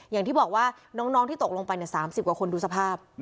อย่างที่บอกว่าน้องที่ตกลงไป๓๐กว่าคนดูสภาพ